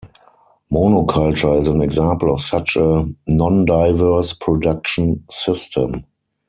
Monoculture is an example of such a nondiverse production system.